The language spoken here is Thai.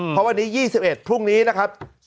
เพราะวันนี้๒๑พรุ่งนี้นะครับ